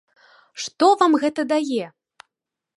Што вам гэта дае?